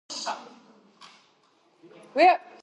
ორივე კარი სწორკუთხაა.